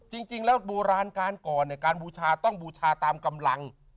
จริงแล้วโบราณการก่อนเนี่ยการบูชาต้องบูชาตามกำลัง